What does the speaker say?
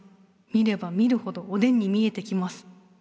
見れば見るほどおでんに見えてきます。